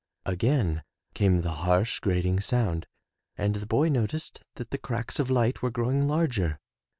Again came the harsh, grating sound, and the boy noticed that the cracks of light were growing larger.